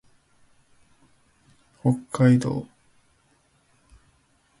北海道訓子府町